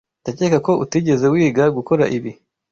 Ndakeka ko utigeze wiga gukora ibi.